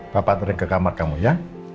bapak sering ke kamar kamu ya